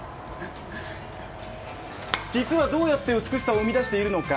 実はどうやって美しさを生み出しているのか。